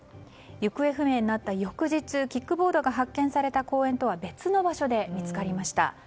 行方不明になった翌日キックボードが発見された公園とは別の場所で見つかりました。